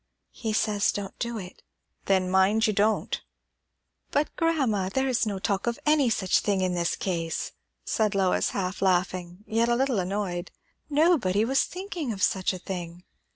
"He says, don't do it." "Then mind you don't." "But, grandma, there is no talk of any such thing in this case," said Lois, half laughing, yet a little annoyed. "Nobody was thinking of such a thing."